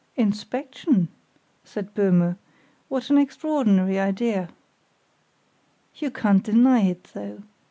"Inspection?" said Böhme; "what an extraordinary idea!" "You can't deny it, though!